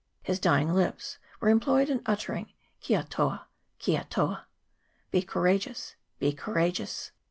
His dying lips were employed in uttering ' Kia toa ! Kia toa !'' Be courageous ! Be courageous